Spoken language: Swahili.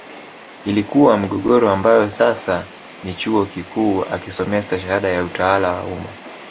Iliyokuwa morogoro ambayo sasa ni chuo kikuum akisomea stashahada ya utawala wa umma